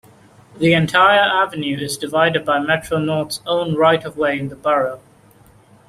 The entire avenue is divided by Metro-North's own right of way in the borough.